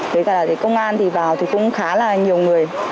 thế cả là công an thì vào thì cũng khá là nhiều người